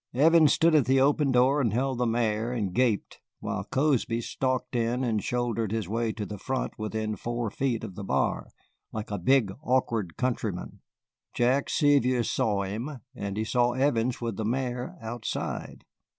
Evans stood at the open door and held the mare and gaped, while Cozby stalked in and shouldered his way to the front within four feet of the bar, like a big, awkward countryman. Jack Sevier saw him, and he saw Evans with the mare outside.